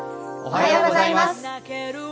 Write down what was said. おはようございます。